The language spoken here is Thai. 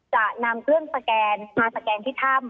จะนำเครื่องสแกนมาสแกนที่ถ้ำ